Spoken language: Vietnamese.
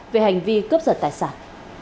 về hành vi cướp giật tài sản